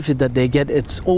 vấn đề bảo tồn của họ